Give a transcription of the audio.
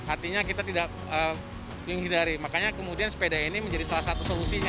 artinya kita tidak menghindari makanya kemudian sepeda ini menjadi salah satu solusinya